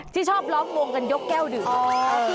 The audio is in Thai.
ที่ชอบล้อมวงกันยกแก้วดื่ม